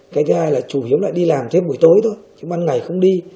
cái thứ hai là chủ yếu lại đi làm thêm buổi tối thôi chứ ban ngày không đi